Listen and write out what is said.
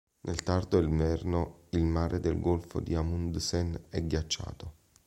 Nel tardo inverno il mare del golfo di Amundsen è ghiacciato.